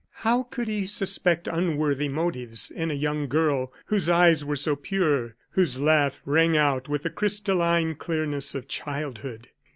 How could he suspect unworthy motives in a young girl whose eyes were so pure, whose laugh rang out with the crystalline clearness of childhood!